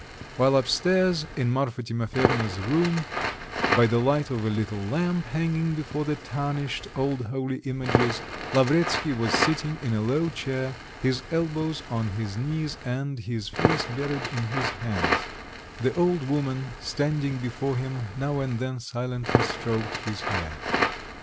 While up stairs, in Marfa Timofyevna's room, by the light of a little lamp hanging before the tarnished old holy images, Lavretsky was sitting in a low chair, his elbows on his knees and his face buried in his hands; the old woman, standing before him, now and then silently stroked his hair.